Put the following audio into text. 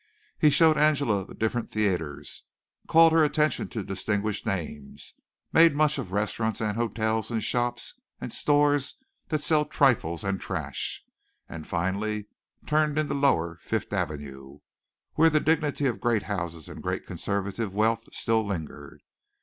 He showed Angela the different theatres, called her attention to distinguished names; made much of restaurants and hotels and shops and stores that sell trifles and trash, and finally turned into lower Fifth Avenue, where the dignity of great houses and great conservative wealth still lingered.